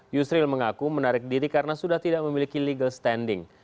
yusril mengaku menarik diri karena sudah tidak memiliki legal standing